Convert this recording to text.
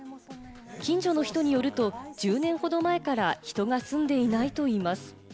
近所の人によると１０年ほど前から人が住んでいないといいます。